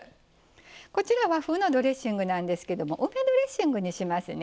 こちら和風のドレッシングなんですけども梅ドレッシングにしますね。